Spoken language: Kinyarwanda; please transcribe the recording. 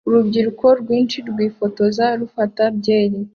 urubyiruko rwinshi rwifotoza rufata byeri